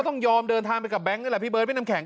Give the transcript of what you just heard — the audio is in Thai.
ต้องยอมเดินทางไปกับแก๊งนี่แหละพี่เบิร์ดพี่น้ำแข